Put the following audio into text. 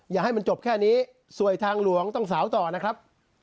อย่าให้มันจบแค่นี้สวยทางหลวงต้องสาวต่อนะครับ